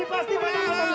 ini pasti mata mata belanda